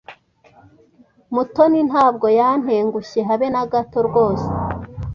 Mutoni ntabwo yantengushye habe na gato rwose.